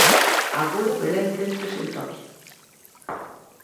Agora Belén céntrase en Toquio.